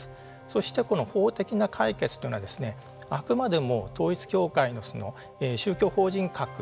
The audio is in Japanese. そして、この法的な解決というのはあくまでも統一教会の宗教法人格